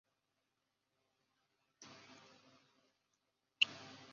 Office প্রধান হলেন chairman.